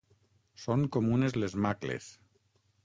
Són comunes les macles.